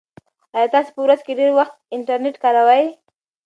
ایا تاسي په ورځ کې ډېر وخت انټرنيټ کاروئ؟